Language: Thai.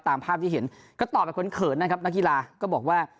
ตามภาพที่เห็นก็ตอบแบบเขินนะครับนักกีฬาก็บอกว่า